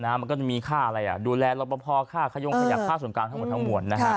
มันก็จะมีค่าอะไรดูแลรับประพอค่าขยงขยับค่าส่วนกลางทั้งหมดทั้งมวล